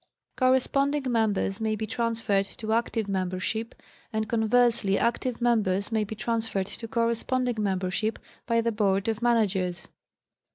Corresponding members may be transferred to active member ship, and, conversely, active members may be transferred to cor responding membership by the Board of Managers.